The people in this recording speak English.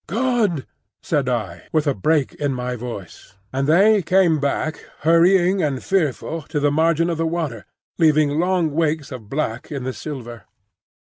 "Good!" said I, with a break in my voice; and they came back, hurrying and fearful, to the margin of the water, leaving long wakes of black in the silver.